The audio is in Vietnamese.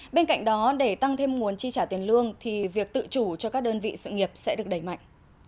bên cạnh đó để tăng thêm nguồn chi trả tiền lương thì việc tự chủ cho các đơn vị sự nghiệp sẽ được đẩy mạnh